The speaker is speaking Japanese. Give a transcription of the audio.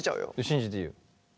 信じていいよ。